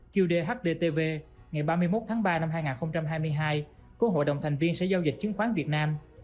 qdhd ngày ba mươi một tháng ba năm hai nghìn hai mươi hai của hội đồng thành viên sở giao dịch chứng khoán việt nam